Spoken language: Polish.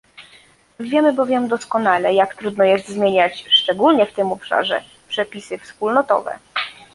Wiemy bowiem doskonale, jak trudno jest zmieniać, szczególnie w tym obszarze, przepisy wspólnotowe